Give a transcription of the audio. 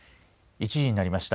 １時になりました。